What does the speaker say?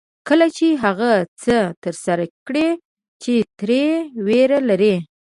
کله چې هغه څه ترسره کړئ چې ترې وېره لرئ.